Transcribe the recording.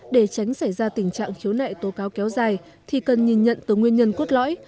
để tránh xảy ra tình trạng khiếu nại tố cáo kéo dài thì cần nhìn nhận từ nguyên nhân cốt lõi